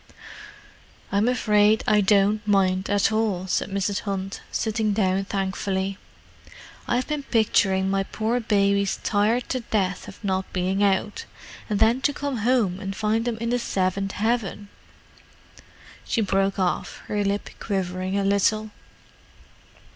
"I'm afraid I don't mind at all," said Mrs. Hunt, sitting down thankfully. "I've been picturing my poor babies tired to death of not being out—and then to come home and find them in the seventh heaven——" She broke off, her lip quivering a little.